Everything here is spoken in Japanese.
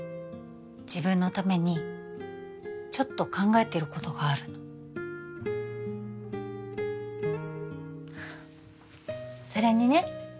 自分のためにちょっと考えてることがあるのそれにね